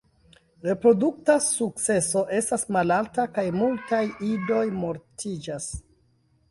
Reprodukta sukceso estas malalta kaj multaj idoj mortiĝas.